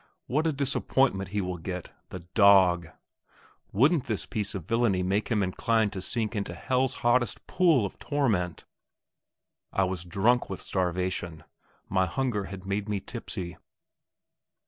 What a disappointment he will get, the dog! Wouldn't this piece of villainy make him inclined to sink into hell's hottest pool of torment! I was drunk with starvation; my hunger had made me tipsy.